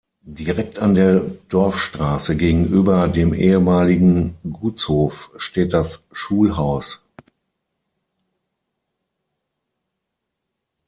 Direkt an der Dorfstraße gegenüber dem ehemaligen Gutshof steht das Schulhaus.